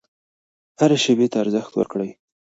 هرې شیبې ته ارزښت ورکړئ.